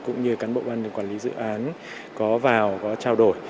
các quản lý dự án có vào có trao đổi